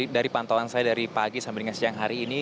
dari pantauan saya dari pagi sampai dengan siang hari ini